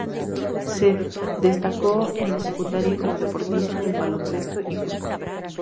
Se destacó en la secundaria como deportista en baloncesto y fútbol.